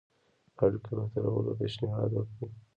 اړيکو بهترولو پېشنهاد وکړي.